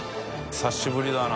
久しぶりだな。